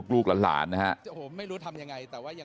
ลูกหลานนะครับ